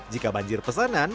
jika banjir pesanan